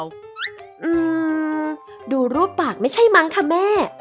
อืมดูรูปปากไม่ใช่มั้งค่ะแม่